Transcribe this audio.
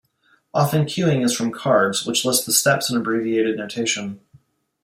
Often cuing is from "cards" which list the steps in abbreviated notation.